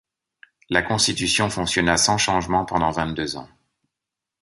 La Constitution fonctionna sans changement pendant vingt-deux ans.